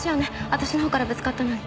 私のほうからぶつかったのに。